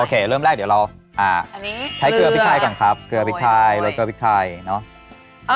เริ่มแรกเดี๋ยวเราใช้เกลือพริกไทยก่อนครับเกลือพริกไทยแล้วก็พริกไทยเนอะ